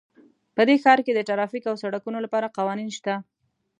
په دې ښار کې د ټرافیک او سړکونو لپاره قوانین شته